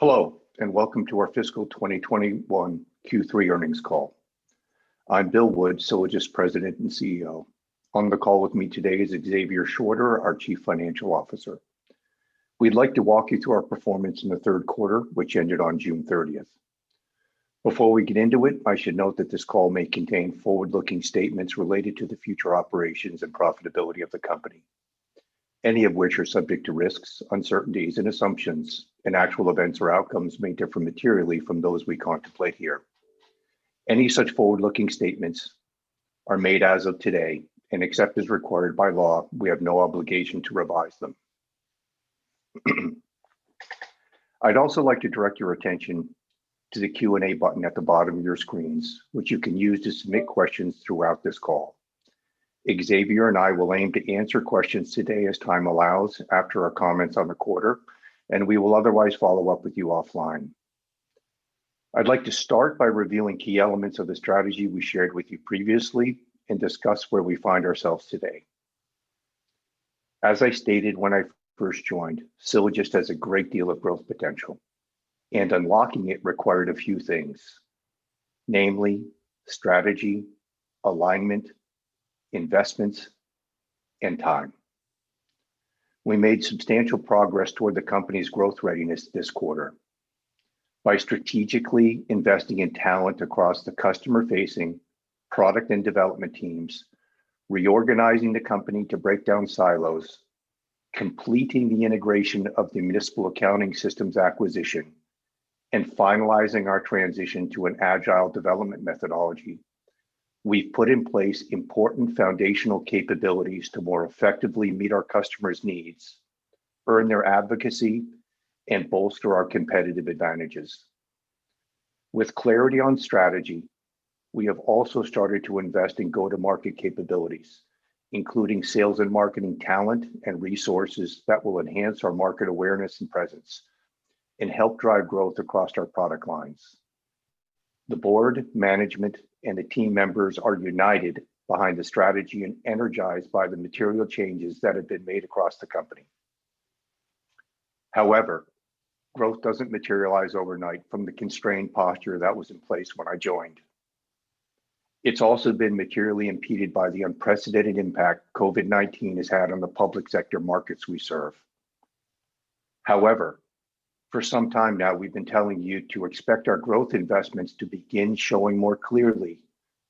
Hello, welcome to our fiscal 2021 Q3 earnings call. I'm Bill Wood, Sylogist President and CEO. On the call with me today is Xavier Shorter, our Chief Financial Officer. We'd like to walk you through our performance in the third quarter, which ended on June 30th. Before we get into it, I should note that this call may contain forward-looking statements related to the future operations and profitability of the company, any of which are subject to risks, uncertainties and assumptions, and actual events or outcomes may differ materially from those we contemplate here. Any such forward-looking statements are made as of today, and except as required by law, we have no obligation to revise them. I'd also like to direct your attention to the Q&A button at the bottom of your screens, which you can use to submit questions throughout this call. Xavier and I will aim to answer questions today as time allows after our comments on the quarter, and we will otherwise follow up with you offline. I'd like to start by revealing key elements of the strategy we shared with you previously and discuss where we find ourselves today. As I stated when I first joined, Sylogist has a great deal of growth potential, and unlocking it required a few things. Namely, strategy, alignment, investments, and time. We made substantial progress toward the company's growth readiness this quarter by strategically investing in talent across the customer-facing product and development teams, reorganizing the company to break down silos, completing the integration of the Municipal Accounting Systems acquisition, and finalizing our transition to an agile development methodology. We've put in place important foundational capabilities to more effectively meet our customers' needs, earn their advocacy, and bolster our competitive advantages. With clarity on strategy, we have also started to invest in go-to-market capabilities, including sales and marketing talent and resources that will enhance our market awareness and presence and help drive growth across our product lines. The board, management, and the team members are united behind the strategy and energized by the material changes that have been made across the company. Growth doesn't materialize overnight from the constrained posture that was in place when I joined. It's also been materially impeded by the unprecedented impact COVID-19 has had on the public sector markets we serve. For some time now, we've been telling you to expect our growth investments to begin showing more clearly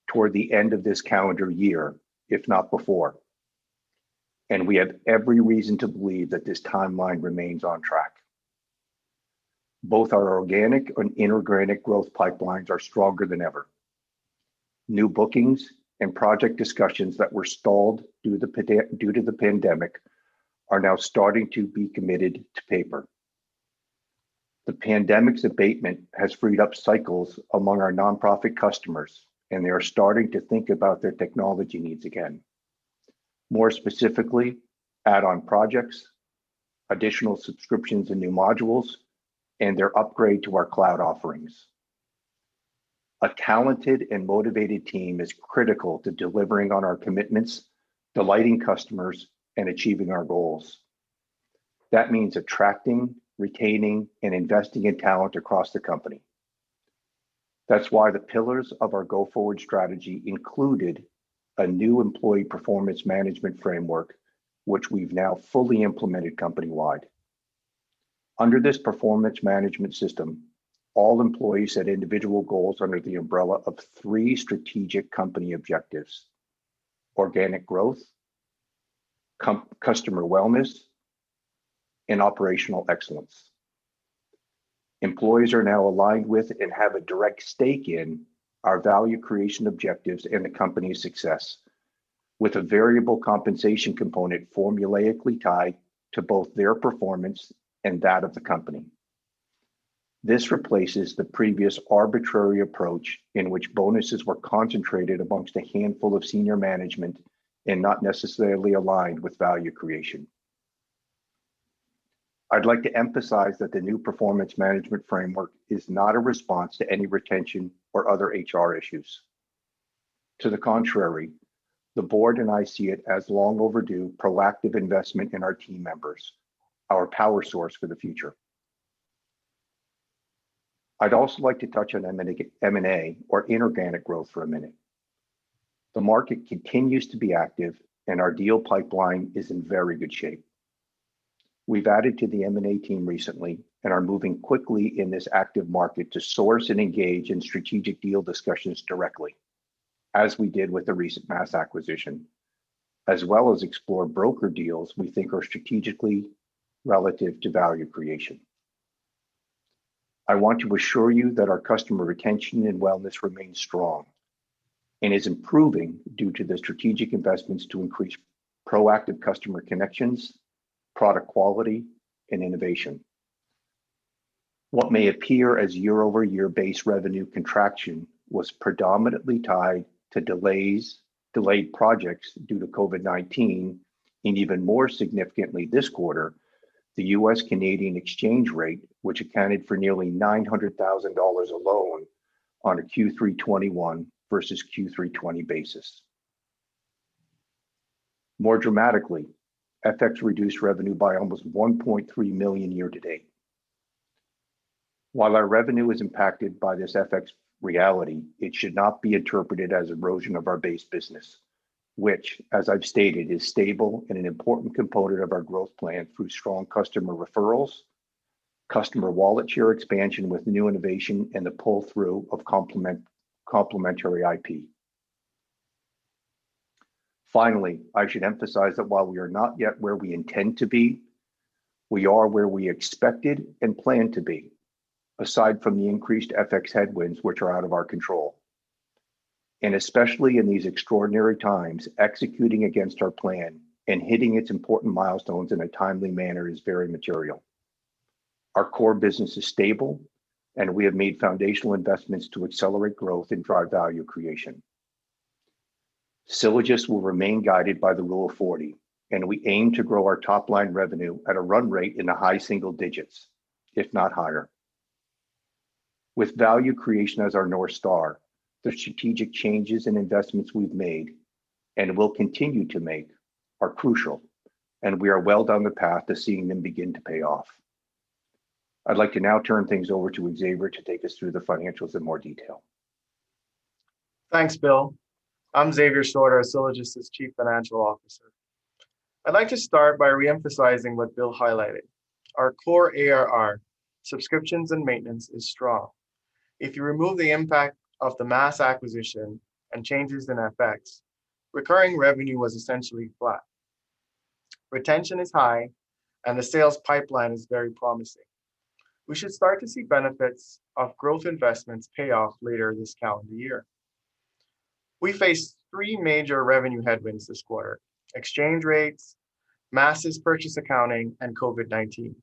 toward the end of this calendar year, if not before. We have every reason to believe that this timeline remains on track. Both our organic and inorganic growth pipelines are stronger than ever. New bookings and project discussions that were stalled due to the pandemic are now starting to be committed to paper. The pandemic's abatement has freed up cycles among our nonprofit customers, and they are starting to think about their technology needs again. More specifically, add-on projects, additional subscriptions and new modules, and their upgrade to our cloud offerings. A talented and motivated team is critical to delivering on our commitments, delighting customers, and achieving our goals. That means attracting, retaining, and investing in talent across the company. That's why the pillars of our go-forward strategy included a new employee performance management framework, which we've now fully implemented company-wide. Under this performance management system, all employees set individual goals under the umbrella of three strategic company objectives: organic growth, customer wellness, and operational excellence. Employees are now aligned with and have a direct stake in our value creation objectives and the company's success with a variable compensation component formulaically tied to both their performance and that of the company. This replaces the previous arbitrary approach in which bonuses were concentrated amongst a handful of senior management and not necessarily aligned with value creation. I'd like to emphasize that the new performance management framework is not a response to any retention or other HR issues. To the contrary, the board and I see it as long overdue proactive investment in our team members, our power source for the future. I'd also like to touch on M&A or inorganic growth for a minute. The market continues to be active, and our deal pipeline is in very good shape. We've added to the M&A team recently and are moving quickly in this active market to source and engage in strategic deal discussions directly, as we did with the recent MAS acquisition, as well as explore broker deals we think are strategically relative to value creation. I want to assure you that our customer retention and wellness remains strong and is improving due to the strategic investments to increase proactive customer connections, product quality, and innovation. What may appear as year-over-year base revenue contraction was predominantly tied to delays, delayed projects due to COVID-19, and even more significantly this quarter, the U.S. Canadian exchange rate, which accounted for nearly 900,000 dollars alone on a Q3 2021 versus Q3 2020 basis. More dramatically, FX reduced revenue by almost 1.3 million year-to-date. While our revenue is impacted by this FX reality, it should not be interpreted as erosion of our base business, which as I've stated, is stable and an important component of our growth plan through strong customer referrals, customer wallet share expansion with new innovation, and the pull-through of complementary IP. I should emphasize that while we are not yet where we intend to be, we are where we expected and planned to be, aside from the increased FX headwinds which are out of our control. Especially in these extraordinary times, executing against our plan and hitting its important milestones in a timely manner is very material. Our core business is stable, and we have made foundational investments to accelerate growth and drive value creation. Sylogist will remain guided by the rule of 40, and we aim to grow our top-line revenue at a run rate in the high single digits, if not higher. With value creation as our North Star, the strategic changes and investments we've made and will continue to make are crucial, and we are well down the path to seeing them begin to pay off. I'd like to now turn things over to Xavier to take us through the financials in more detail. Thanks, Bill. I'm Xavier Shorter, Sylogist's Chief Financial Officer. I'd like to start by re-emphasizing what Bill highlighted. Our core ARR, subscriptions, and maintenance is strong. If you remove the impact of the MAS acquisition and changes in FX, recurring revenue was essentially flat. Retention is high and the sales pipeline is very promising. We should start to see benefits of growth investments pay off later this calendar year. We faced three major revenue headwinds this quarter, exchange rates, MAS' purchase accounting, and COVID-19.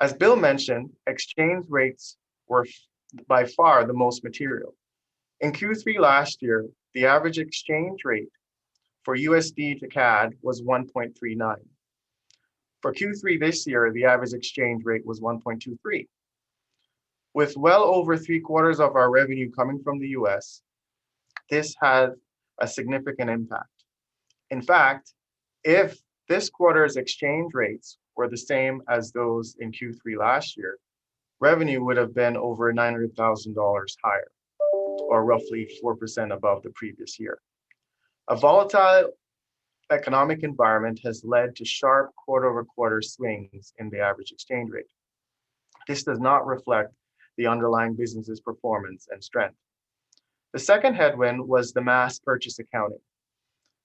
As Bill mentioned, exchange rates were by far the most material. In Q3 last year, the average exchange rate for USD to CAD was 1.39. For Q3 this year, the average exchange rate was 1.23. With well over three-quarters of our revenue coming from the U.S., this had a significant impact. In fact, if this quarter's exchange rates were the same as those in Q3 last year, revenue would have been over 900,000 dollars higher, or roughly 4% above the previous year. A volatile economic environment has led to sharp quarter-over-quarter swings in the average exchange rate. This does not reflect the underlying business's performance and strength. The second headwind was the MAS purchase accounting.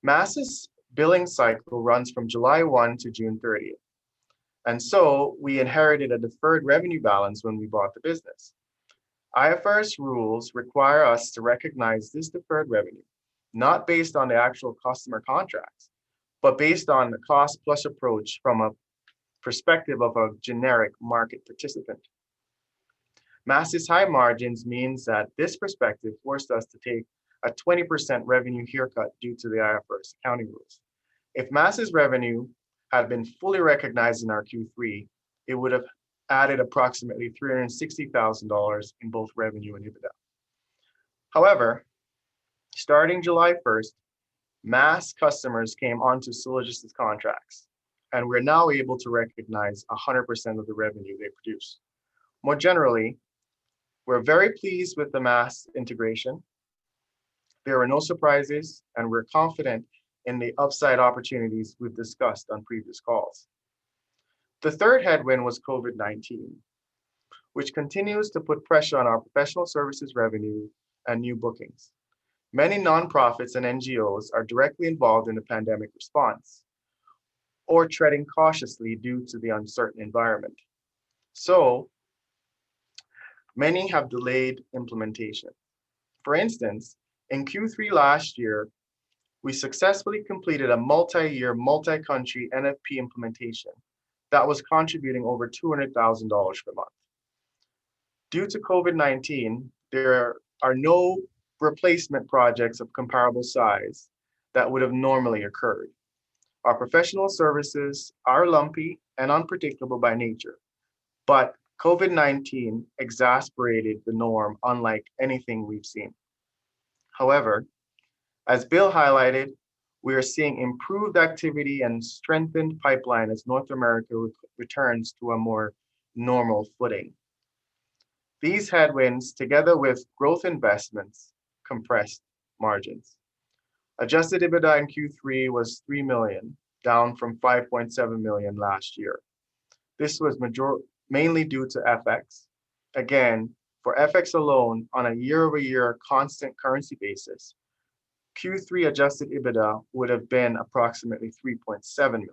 MAS' billing cycle runs from July 1 to June 30th, we inherited a deferred revenue balance when we bought the business. IFRS rules require us to recognize this deferred revenue, not based on the actual customer contracts, but based on the cost-plus approach from a perspective of a generic market participant. MAS' high margins means that this perspective forced us to take a 20% revenue haircut due to the IFRS accounting rules. If MAS' revenue had been fully recognized in our Q3, it would have added approximately 360,000 dollars in both revenue and EBITDA. However, starting July 1st, MAS customers came onto Sylogist's contracts, and we're now able to recognize 100% of the revenue they produce. More generally, we're very pleased with the MAS integration. There are no surprises, and we're confident in the upside opportunities we've discussed on previous calls. The third headwind was COVID-19, which continues to put pressure on our professional services revenue and new bookings. Many nonprofits and NGOs are directly involved in the pandemic response or treading cautiously due to the uncertain environment, so many have delayed implementation. For instance, in Q3 last year, we successfully completed a multi-year, multi-country NFP implementation that was contributing over 200,000 dollars per month. Due to COVID-19, there are no replacement projects of comparable size that would have normally occurred. Our professional services are lumpy and unpredictable by nature. COVID-19 exacerbated the norm unlike anything we've seen. As Bill highlighted, we are seeing improved activity and strengthened pipeline as North America returns to a more normal footing. These headwinds, together with growth investments, compressed margins. Adjusted EBITDA in Q3 was 3 million, down from 5.7 million last year. This was mainly due to FX. For FX alone on a year-over-year constant currency basis, Q3 adjusted EBITDA would have been approximately 3.7 million.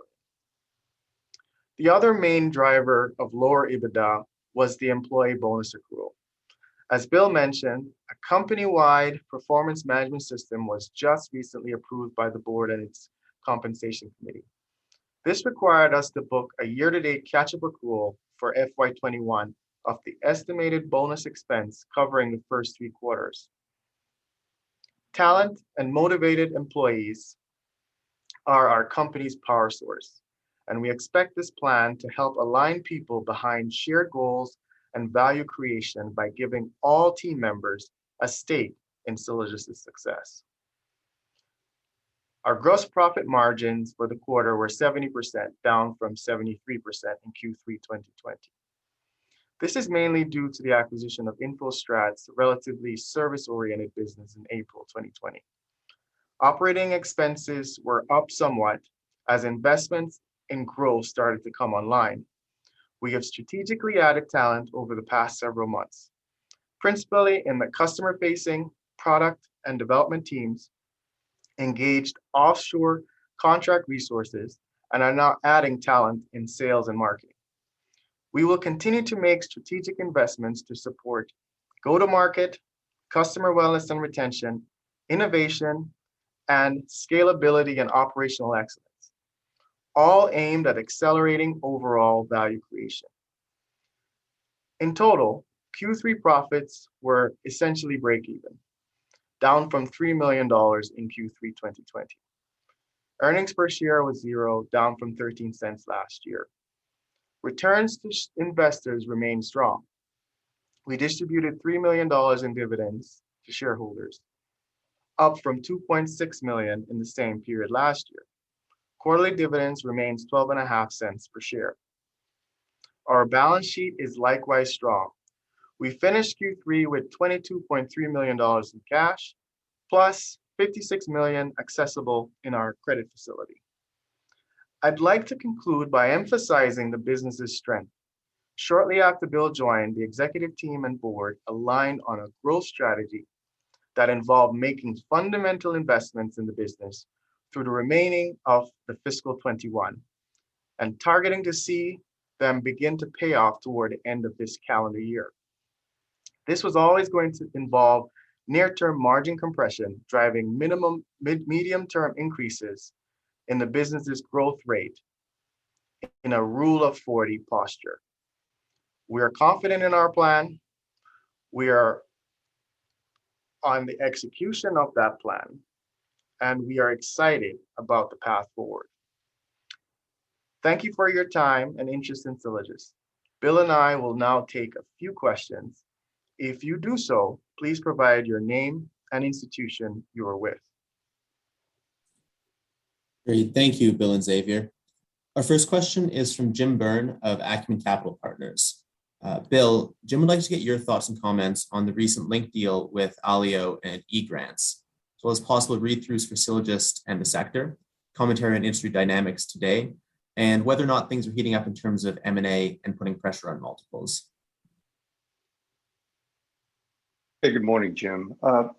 The other main driver of lower EBITDA was the employee bonus accrual. As Bill Wood mentioned, a company-wide performance management system was just recently approved by the board and its compensation committee. This required us to book a year-to-date catch-up accrual for FY 2021 of the estimated bonus expense covering the first three quarters. Talent and motivated employees are our company's power source. We expect this plan to help align people behind shared goals and value creation by giving all team members a stake in Sylogist's success. Our gross profit margins for the quarter were 70%, down from 73% in Q3 2020. This is mainly due to the acquisition of InfoStrat's relatively service-oriented business in April 2020. Operating expenses were up somewhat as investments in growth started to come online. We have strategically added talent over the past several months, principally in the customer-facing product and development teams, engaged offshore contract resources, and are now adding talent in sales and marketing. We will continue to make strategic investments to support go-to-market, customer wellness and retention, innovation, and scalability and operational excellence, all aimed at accelerating overall value creation. In total, Q3 profits were essentially breakeven, down from 3 million dollars in Q3 2020. Earnings per share was zero, down from 0.13 last year. Returns to investors remained strong. We distributed 3 million dollars in dividends to shareholders, up from 2.6 million in the same period last year. Quarterly dividends remains 0.125 per share. Our balance sheet is likewise strong. We finished Q3 with 22.3 million dollars in cash, plus 56 million accessible in our credit facility. I'd like to conclude by emphasizing the business's strength. Shortly after Bill joined, the executive team and board aligned on a growth strategy that involved making fundamental investments in the business through the remaining of the fiscal 2021 and targeting to see them begin to pay off toward the end of this calendar year. This was always going to involve near-term margin compression, driving medium-term increases in the business's growth rate in a rule of 40 posture. We are confident in our plan. We are on the execution of that plan. We are excited about the path forward. Thank you for your time and interest in Sylogist. Bill and I will now take a few questions. If you do so, please provide your name and institution you are with. Great. Thank you, Bill and Xavier. Our first question is from Jim Byrne of Acumen Capital Partners. Bill, Jim would like to get your thoughts and comments on the recent LINQ deal with Allio and eGrants, as well as possible read-throughs for Sylogist and the sector, commentary on industry dynamics today, and whether or not things are heating up in terms of M&A and putting pressure on multiples. Hey, good morning, Jim. The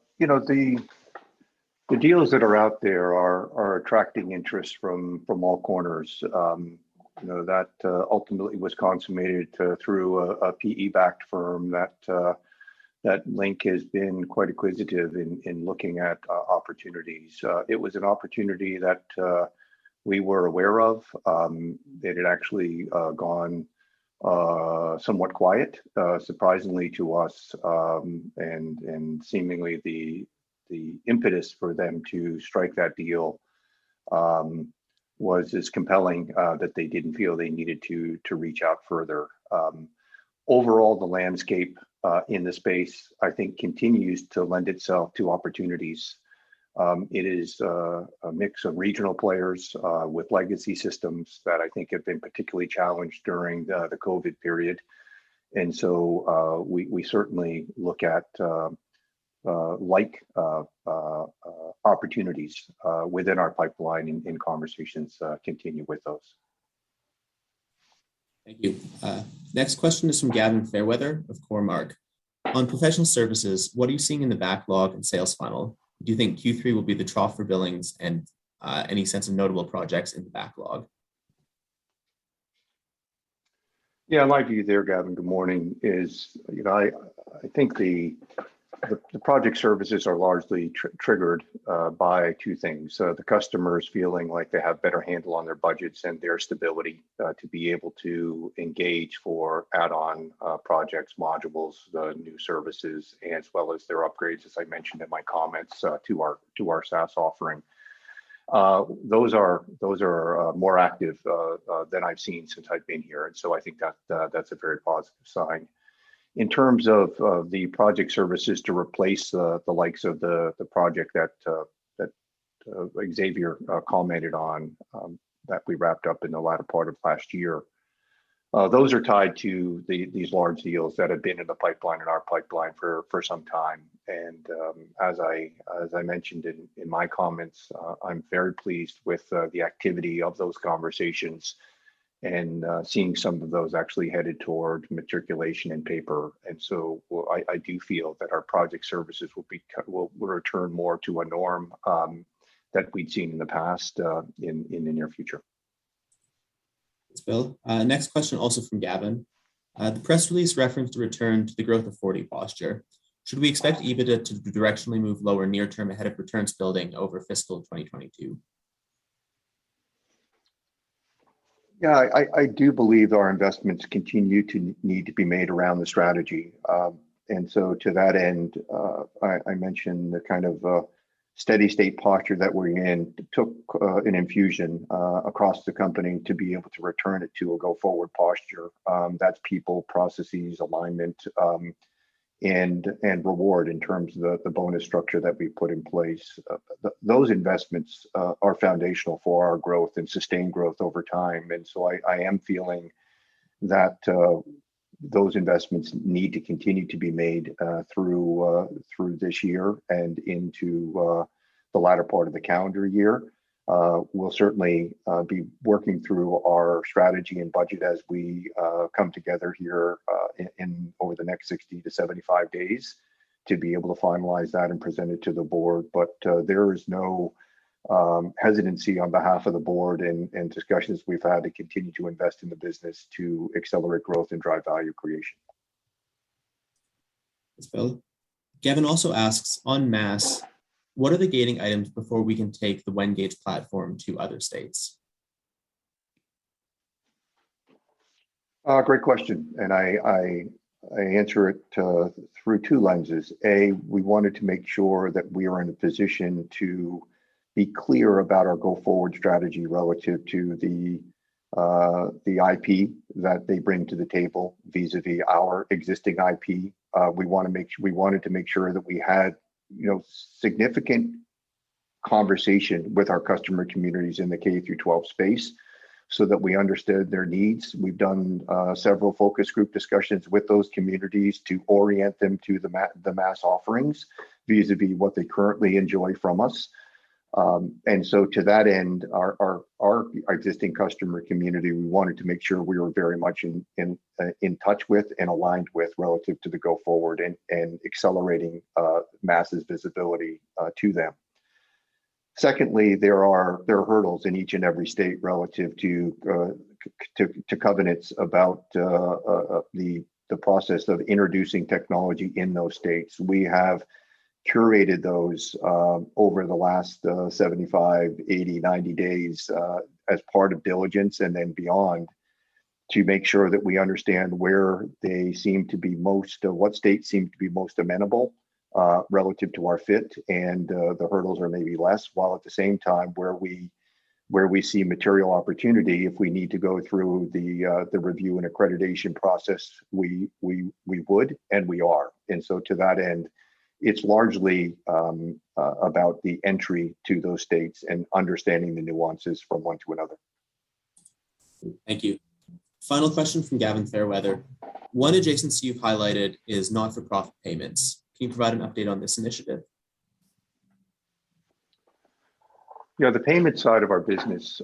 deals that are out there are attracting interest from all corners. That ultimately was consummated through a PE-backed firm that LINQ has been quite inquisitive in looking at opportunities. It was an opportunity that we were aware of, that had actually gone somewhat quiet, surprisingly to us, and seemingly the impetus for them to strike that deal was as compelling that they didn't feel they needed to reach out further. Overall, the landscape in the space, I think continues to lend itself to opportunities. It is a mix of regional players with legacy systems that I think have been particularly challenged during the COVID period. We certainly look at like opportunities within our pipeline and conversations continue with those. Thank you. Next question is from Gavin Fairweather of Cormark. On professional services, what are you seeing in the backlog and sales funnel? Do you think Q3 will be the trough for billings, and any sense of notable projects in the backlog? Yeah, my view there, Gavin, good morning, is I think the project services are largely triggered by two things: the customers feeling like they have better handle on their budgets, and their stability to be able to engage for add-on projects, modules, new services, as well as their upgrades, as I mentioned in my comments, to our SaaS offering. Those are more active than I've seen since I've been here, and so I think that's a very positive sign. In terms of the project services to replace the likes of the project that Xavier commented on, that we wrapped up in the latter part of last year, those are tied to these large deals that have been in the pipeline, in our pipeline for some time. As I mentioned in my comments, I'm very pleased with the activity of those conversations and seeing some of those actually headed toward matriculation and paper. I do feel that our project services will return more to a norm that we'd seen in the past in the near future. Thanks, Bill. Next question, also from Gavin. The press release referenced a return to the rule of 40 posture. Should we expect EBITDA to directionally move lower near term ahead of returns building over fiscal 2022? Yeah, I do believe our investments continue to need to be made around the strategy. To that end, I mentioned the kind of steady state posture that we're in took an infusion across the company to be able to return it to a go-forward posture. That's people, processes, alignment, and reward in terms of the bonus structure that we put in place. Those investments are foundational for our growth and sustained growth over time. I am feeling that those investments need to continue to be made through this year and into the latter part of the calendar year. We'll certainly be working through our strategy and budget as we come together here over the next 60-75 days to be able to finalize that and present it to the board. There is no hesitancy on behalf of the board in discussions we've had to continue to invest in the business to accelerate growth and drive value creation. Thanks, Bill. Gavin also asks, "On MAS, what are the gating items before we can take the WenGAGE platform to other states? Great question. I answer it through two lenses. A, we wanted to make sure that we are in a position to be clear about our go-forward strategy relative to the IP that they bring to the table vis-a-vis our existing IP. We wanted to make sure that we had significant conversation with our customer communities in the K through 12 space so that we understood their needs. We've done several focus group discussions with those communities to orient them to the MAS offerings, vis-a-vis what they currently enjoy from us. To that end, our existing customer community, we wanted to make sure we were very much in touch with and aligned with relative to the go forward and accelerating MAS's visibility to them. Secondly, there are hurdles in each and every state relative to covenants about the process of introducing technology in those states. We have curated those over the last 75, 80, 90 days as part of diligence and then beyond to make sure that we understand what states seem to be most amenable relative to our fit and the hurdles are maybe less, while at the same time, where we see material opportunity, if we need to go through the review and accreditation process, we would, and we are. To that end, it's largely about the entry to those states and understanding the nuances from one to another. Thank you. Final question from Gavin Fairweather. "One adjacency you've highlighted is not-for-profit payments. Can you provide an update on this initiative? The payment side of our business,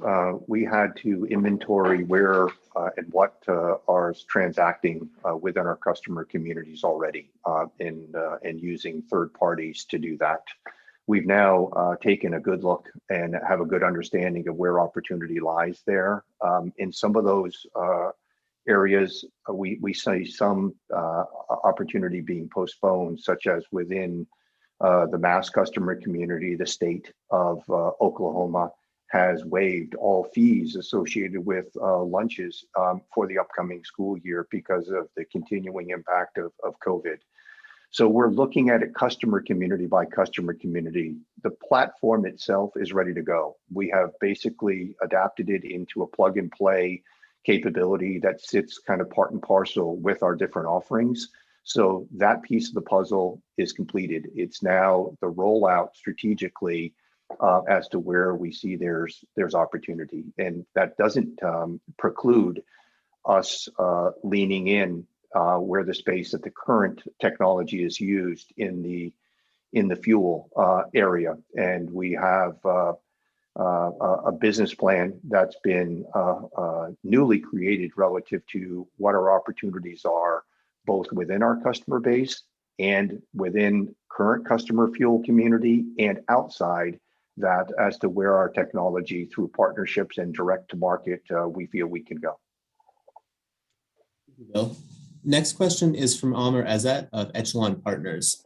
we had to inventory where and what are transacting within our customer communities already and using third parties to do that. We've now taken a good look and have a good understanding of where opportunity lies there. In some of those areas, we see some opportunity being postponed, such as within the MAS customer community. The state of Oklahoma has waived all fees associated with lunches for the upcoming school year because of the continuing impact of COVID-19. We're looking at it customer community by customer community. The platform itself is ready to go. We have basically adapted it into a plug-and-play capability that sits part and parcel with our different offerings. That piece of the puzzle is completed. It's now the rollout strategically as to where we see there's opportunity. That doesn't preclude us leaning in where the space that the current technology is used in the fuel area. We have a business plan that's been newly created relative to what our opportunities are, both within our customer base and within current customer fuel community and outside that as to where our technology through partnerships and direct to market, we feel we can go. Thank you, Bill. Next question is from Amr Ezzat of Echelon Partners.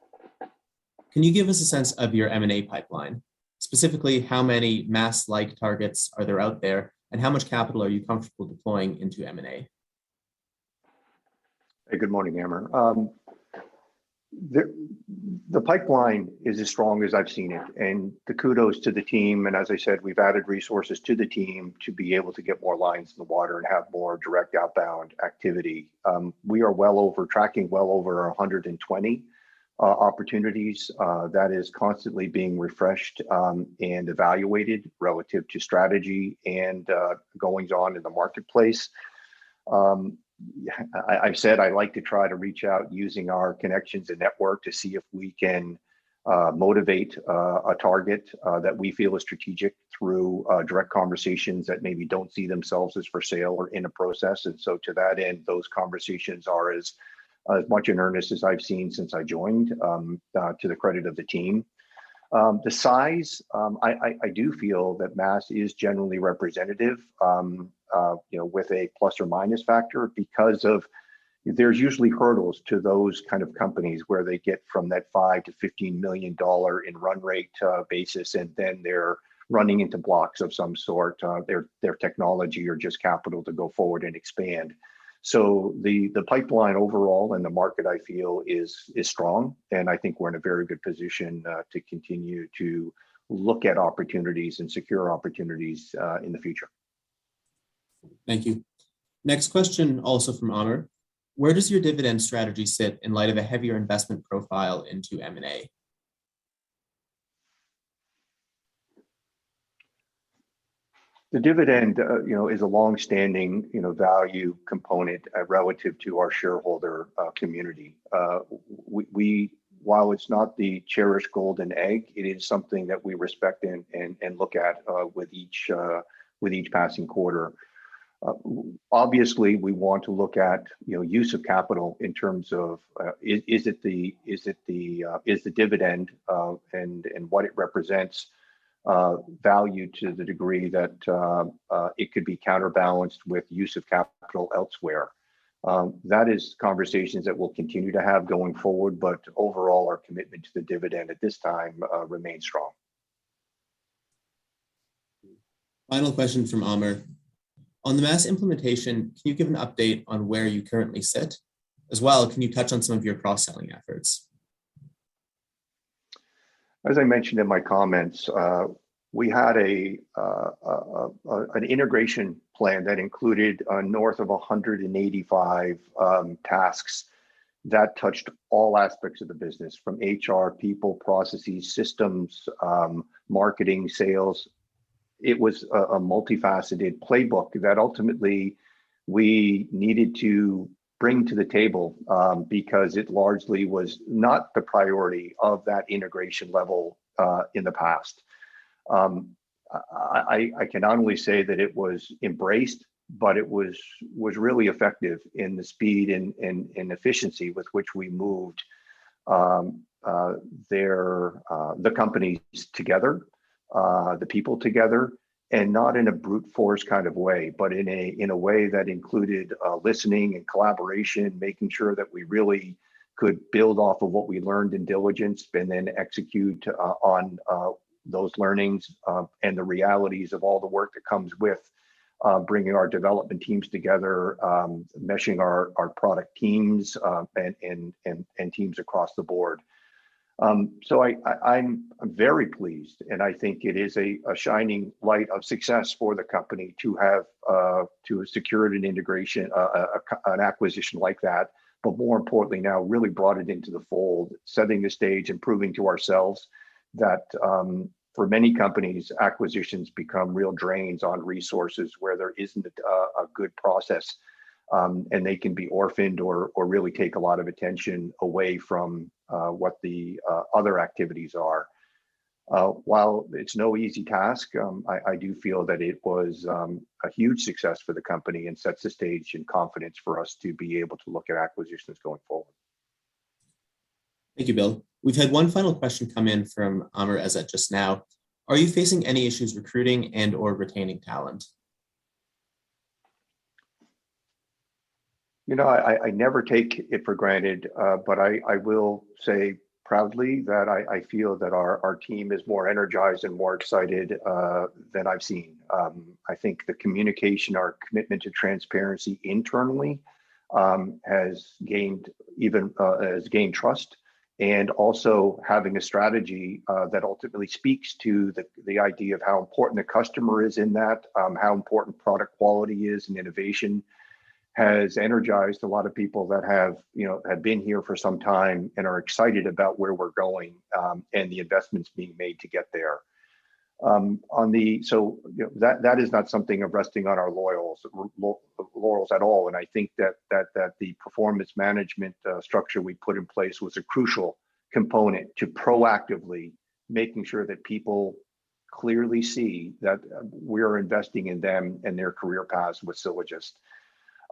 "Can you give us a sense of your M&A pipeline? Specifically, how many MAS-like targets are there out there, and how much capital are you comfortable deploying into M&A? Hey, good morning, Amr. The pipeline is as strong as I've seen it, and kudos to the team, and as I said, we've added resources to the team to be able to get more lines in the water and have more direct outbound activity. We are tracking well over 120 opportunities. That is constantly being refreshed and evaluated relative to strategy and goings-on in the marketplace. I've said I like to try to reach out using our connections and network to see if we can motivate a target that we feel is strategic through direct conversations that maybe don't see themselves as for sale or in a process. To that end, those conversations are as much in earnest as I've seen since I joined to the credit of the team. The size, I do feel that MAS is generally representative with a plus or minus factor because there's usually hurdles to those kind of companies where they get from that 5 million-15 million dollar in run rate basis, and then they're running into blocks of some sort, their technology or just capital to go forward and expand. The pipeline overall and the market, I feel, is strong, and I think we're in a very good position to continue to look at opportunities and secure opportunities in the future. Thank you. Next question, also from Amr. Where does your dividend strategy sit in light of a heavier investment profile into M&A? The dividend is a longstanding value component relative to our shareholder community. While it's not the cherished golden egg, it is something that we respect and look at with each passing quarter. Obviously, we want to look at use of capital in terms of is the dividend, and what it represents, value to the degree that it could be counterbalanced with use of capital elsewhere? That is conversations that we'll continue to have going forward, but overall, our commitment to the dividend at this time remains strong. Final question from Amr. On the MAS implementation, can you give an update on where you currently sit? Can you touch on some of your cross-selling efforts? As I mentioned in my comments, we had an integration plan that included north of 185 tasks that touched all aspects of the business, from HR, people, processes, systems, marketing, sales. It was a multifaceted playbook that ultimately we needed to bring to the table because it largely was not the priority of that integration level in the past. I can not only say that it was embraced, but it was really effective in the speed and efficiency with which we moved the companies together. The people together, and not in a brute force kind of way, but in a way that included listening and collaboration, making sure that we really could build off of what we learned in diligence and then execute on those learnings and the realities of all the work that comes with bringing our development teams together, meshing our product teams, and teams across the board. I'm very pleased, and I think it is a shining light of success for the company to have secured an acquisition like that, but more importantly now really brought it into the fold, setting the stage and proving to ourselves that for many companies, acquisitions become real drains on resources where there isn't a good process, and they can be orphaned or really take a lot of attention away from what the other activities are. While it's no easy task, I do feel that it was a huge success for the company and sets the stage and confidence for us to be able to look at acquisitions going forward. Thank you, Bill. We've had one final question come in from Amr Ezzat just now. Are you facing any issues recruiting and/or retaining talent? I never take it for granted, but I will say proudly that I feel that our team is more energized and more excited than I've seen. I think the communication, our commitment to transparency internally has gained trust, and also having a strategy that ultimately speaks to the idea of how important the customer is in that, how important product quality is, and innovation has energized a lot of people that have been here for some time and are excited about where we're going and the investments being made to get there. That is not something of resting on our laurels at all, and I think that the performance management structure we put in place was a crucial component to proactively making sure that people clearly see that we're investing in them and their career paths with Sylogist.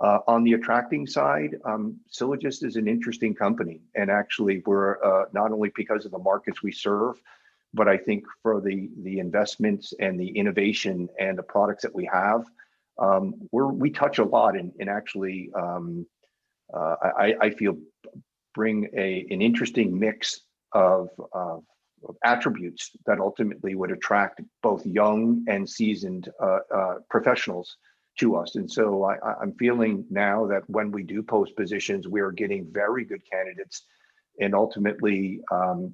On the attracting side, Sylogist is an interesting company, and actually we're not only because of the markets we serve, but I think for the investments and the innovation and the products that we have, we touch a lot and actually I feel bring an interesting mix of attributes that ultimately would attract both young and seasoned professionals to us. I'm feeling now that when we do post positions, we are getting very good candidates and ultimately are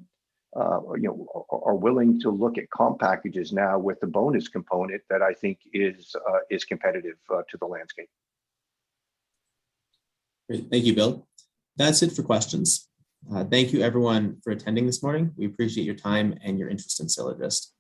willing to look at comp packages now with the bonus component that I think is competitive to the landscape. Great. Thank you, Bill. That's it for questions. Thank you everyone for attending this morning. We appreciate your time and your interest in Sylogist.